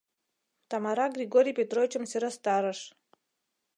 Тамара Григорий Петровичым сӧрастарыш.